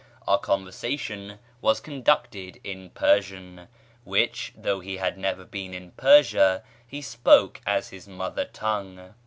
Our conversation was conducted in Persian, which, though he had never been in Persia, he spoke as his mother tongue.